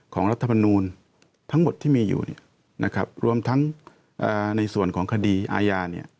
รัฐมนูลทั้งหมดที่มีอยู่เนี่ยนะครับรวมทั้งในส่วนของคดีอาญาเนี่ย